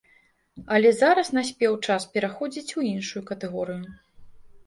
Але зараз наспеў час пераходзіць у іншую катэгорыю.